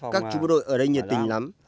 các chú bộ đội ở đây nhiệt tình lắm